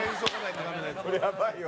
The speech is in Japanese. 「これやばいよ」